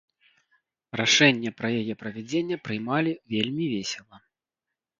Рашэнне пра яе правядзенне прымалі вельмі весела.